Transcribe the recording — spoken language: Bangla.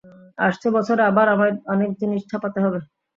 আসছে বছরে আবার আমায় অনেক জিনিষ ছাপাতে হবে।